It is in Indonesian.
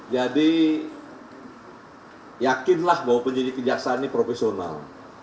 jadi yakinlah bahwa penjeliti jaksa ini profesional